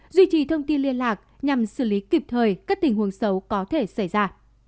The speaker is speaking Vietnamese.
duy trì thông tin liên lạc nhằm xử lý kịp thời các tình huống xấu có thể xảy ra